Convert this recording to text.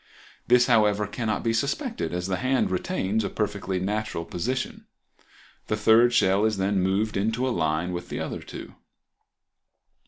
This, however, cannot be suspected, as the hand retains a perfectly natural position. The third shell is then moved into a line with the other two.